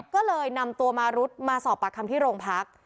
ก็เลยนำตัวมารุดมาสอบปากคำที่โรงพัก